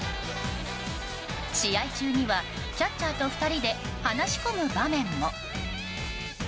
試合中にはキャッチャーと２人で話し込む場面も。